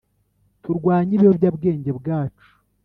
Turwanye ibiyobya bwenge bwacu